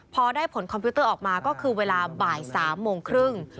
พอได้ผลคอมพิวเตอร์ออกมาก็คือเวลาบ่าย๓โมงครึ่ง